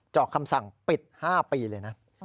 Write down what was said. อกคำสั่งปิด๕ปีเลยนะ